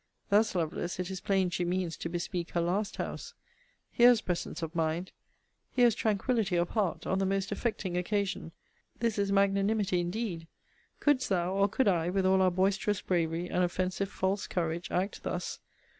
Thus, Lovelace, it is plain she means to bespeak her last house! Here's presence of mind; here's tranquillity of heart, on the most affecting occasion This is magnanimity indeed! Couldst thou, or could I, with all our boisterous bravery, and offensive false courage, act thus?